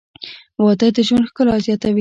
• واده د ژوند ښکلا زیاتوي.